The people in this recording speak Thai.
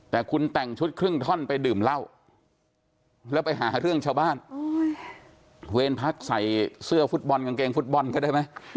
แต่คุณแต่งชุดครึ่งท่อนไปดื่มเหล้าแล้วไปหาเรื่องชาวบ้านเวรพักใส่เสื้อฟุตบอลกางเกงฟุตบอลก็ได้ไหม